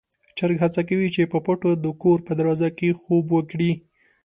چرګ هڅه کوي چې په پټه د کور په دروازه کې خوب وکړي.